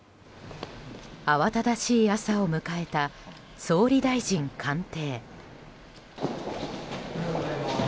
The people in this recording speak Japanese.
慌ただしい朝を迎えた総理大臣官邸。